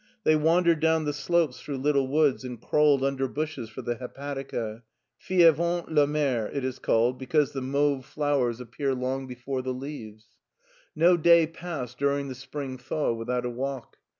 They wandered down the slopes through little woods and crawled under bushes for the hepatica; fille avant la mere " it is called because the mauve flowers a^ear LEIPSIC US long before the leaves. No day passed during the spring thaw without a walk.